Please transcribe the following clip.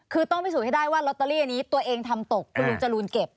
คือต้องพิสูจน์ให้ได้ว่าลอตเตอรี่อันนี้ตัวเองทำตกคุณลุงจรูนเก็บ